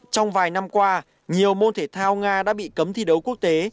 trong vài năm qua nhiều môn thể thao nga đã bị cấm thi đấu quốc tế